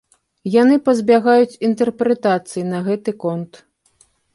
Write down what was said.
Яны пазбягаюць інтэрпрэтацый на гэты конт.